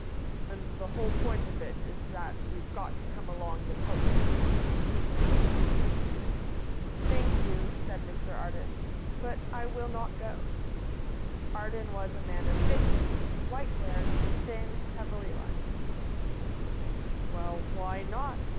"And the whole point of it is that you've got to come along and help me," he concluded. "Thank you," said Mr Arden, "but I will not go." Arden was a man of fifty, white haired, thin, heavily lined. "Well, why not?"